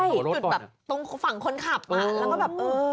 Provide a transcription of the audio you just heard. จุดแบบตรงฝั่งคนขับอ่ะแล้วก็แบบเออ